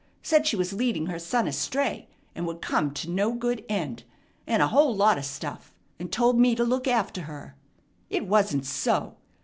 Said she was leading her son astray, and would come to no good end, and a whole lot of stuff; and told me to look after her. It wasn't so.